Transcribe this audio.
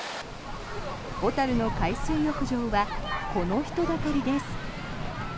小樽の海水浴場はこの人だかりです。